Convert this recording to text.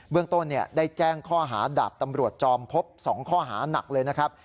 เรื่องต้นได้แจ้งข้อหาดาบตำรวจจอมพบ๒ข้อหานักเลยนะครับ